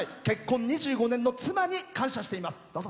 結婚２５年の妻に感謝しています。